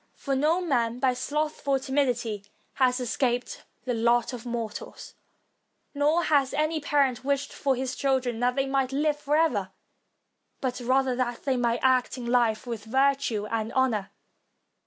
For no man, by slothful timidity, has escaped the lot of mortals; nor has any parent wished for his 358 MARIUS TO THE ROMAN PEOPLE children that they might live forever, but rather that they might act in hfe with virtue and honor.